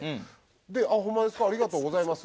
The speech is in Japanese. で「あっホンマですか？ありがとうございます」